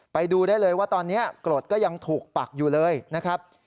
ไปดูได้เลยว่าตอนนี้กรดก็ยังถูกปักอยู่เลยนะครับ